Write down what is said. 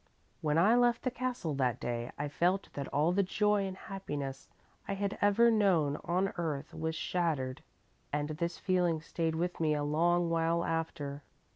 When I left the castle that day I felt that all the joy and happiness I had ever known on earth was shattered, and this feeling stayed with me a long while after.